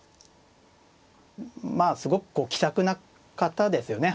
まあすごくこう気さくな方ですよね。